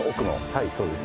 はいそうです